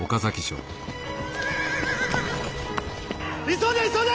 急げ急げ！